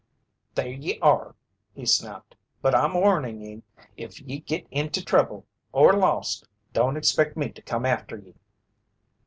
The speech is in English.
"There ye are!" he snapped. "But I'm warnin' ye, if ye git into trouble or lost, don't expect me to come after ye."